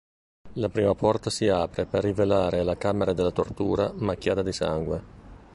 La prima porta si apre per rivelare la camera della tortura, macchiata di sangue.